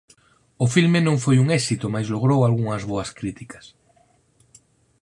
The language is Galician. O filme non foi un éxito mais logrou algunhas boas críticas.